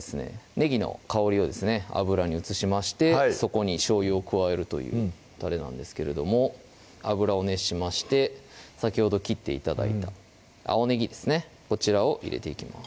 ねぎの香りを油に移しましてそこにしょうゆを加えるというタレなんですけれども油を熱しまして先ほど切って頂いた青ねぎですねこちらを入れていきます